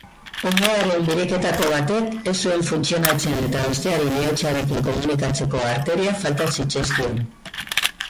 Umearen biriketako batek ez zuen funtzionatzen eta besteari bihotzarekin komunikatzeko arteriak falta zitzaizkion.